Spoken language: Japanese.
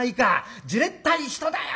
じれったい人だよ』